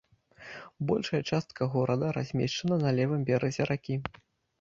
Большая частка горада размешчана на левым беразе ракі.